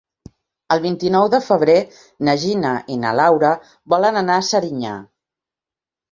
El vint-i-nou de febrer na Gina i na Laura volen anar a Serinyà.